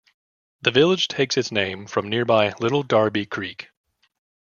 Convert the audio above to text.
The village takes its name from nearby Little Darby Creek.